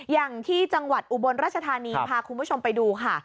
อย่างที่จังหวัดอุบลราชธานีพาคุณผู้ชมไปดูค่ะ